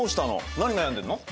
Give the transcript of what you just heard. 何悩んでんの？